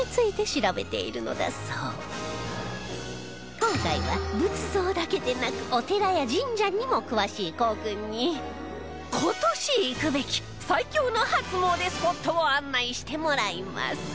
今回は仏像だけでなくお寺や神社にも詳しい航君に今年行くべき最強の初詣スポットを案内してもらいます